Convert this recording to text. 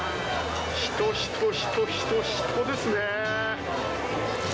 人人人人人ですね。